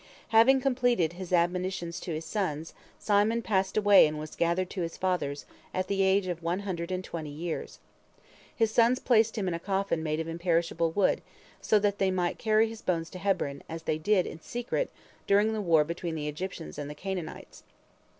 Having completed his admonitions to his sons, Simon passed away and was gathered to his fathers, at the age of one hundred and twenty years. His sons placed him in a coffin made of imperishable wood, so that they might carry his bones to Hebron, as they did, in secret, during the war between the Egyptians and the Canaanites.